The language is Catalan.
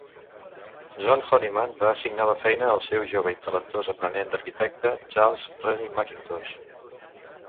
John Honeyman va assignar la feina al seu jove i talentós aprenent d'arquitecte, Charles Rennie Mackintosh.